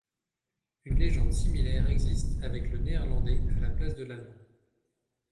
Une légende similaire existe avec le néerlandais à la place de l'allemand.